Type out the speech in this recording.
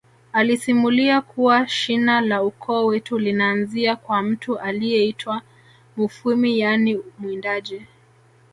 alisimulia kuwa shina la ukoo wetu linaanzia kwa mtu aliyeitwa mufwimi yaani mwindaji